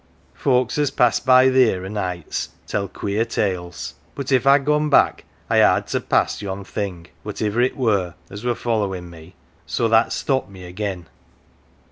Folks as pass by theer o' neets tell queer tales. But if I'd gone back I'd ha' had to pass yon thing, whativer it were, as were folio win' me, so that stopped me again.